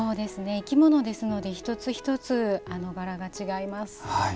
生き物ですので一つ一つ柄が違います。